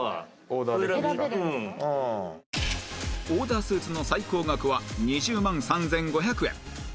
オーダースーツの最高額は２０万３５００円